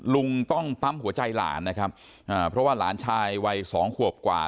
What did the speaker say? ลุงต้องปั๊มหัวใจหลานนะครับอ่าเพราะว่าหลานชายวัยสองขวบกว่า